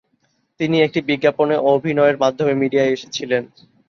তিনি একটি বিজ্ঞাপনে অভিনয়ের মাধ্যমে মিডিয়ায় এসেছিলেন।